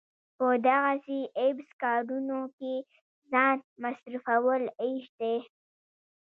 په دغسې عبث کارونو کې ځان مصرفول عيش دی.